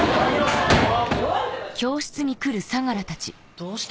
どうした？